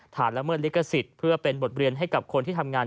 ละเมิดลิขสิทธิ์เพื่อเป็นบทเรียนให้กับคนที่ทำงาน